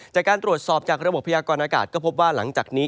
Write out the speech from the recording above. จากการตรวจสอบจากระบบพยากรณากาศก็พบว่าหลังจากนี้